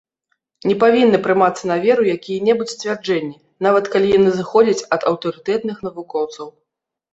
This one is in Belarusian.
Не павінны прымацца на веру якія-небудзь сцвярджэнні, нават калі яны зыходзяць ад аўтарытэтных навукоўцаў.